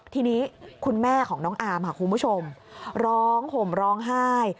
ทีนี้คุณแม่ของน้องอามค่ะคุณผู้ชมร้องห่มร้องไห้